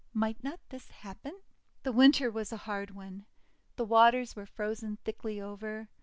Might not this happen? The Winter was a hard one. The waters were frozen thickly over.